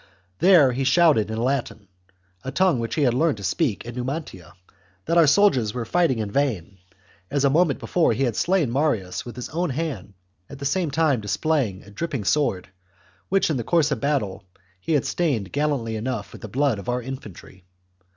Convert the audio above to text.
There he shouted in Latin, a tongue which he had learned to speak at Numantia, that our soldiers were fighting in vain, as a moment before he had slain Marius with his own hand, at the same time displaying a dripping sword, which in the course of battle he had stained gallantly enough with the blood of our infantry.